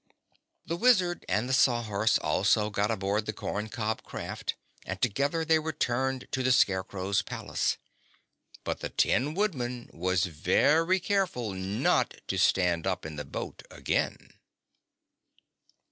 The Wizard and the Sawhorse also got aboard the corncob craft and together they returned to the Scarecrow's palace. But the Tin Woodman was very careful not to stand up in the boat again.